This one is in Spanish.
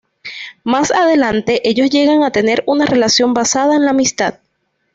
Más adelante ellos llegan a tener una relación basada en la amistad.